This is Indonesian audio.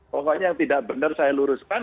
pokoknya yang tidak benar saya luruskan